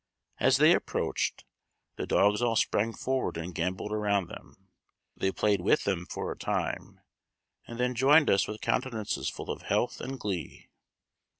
As they approached, the dogs all sprang forward and gambolled around them. They played with them for a time, and then joined us with countenances full of health and glee.